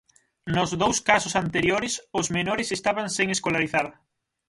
Nos dous casos anteriores, os menores estaban sen escolarizar.